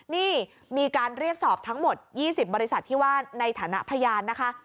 นี่มีการเรียกสอบทั้งหมด๒๐บริษัทที่ว่าในฐานะพยานนะคะ